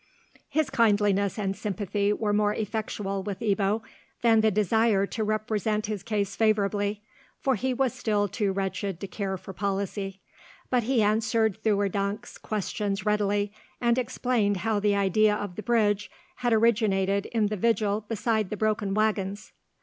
His kindliness and sympathy were more effectual with Ebbo than the desire to represent his case favourably, for he was still too wretched to care for policy; but he answered Theurdank's questions readily, and explained how the idea of the bridge had originated in the vigil beside the broken waggons.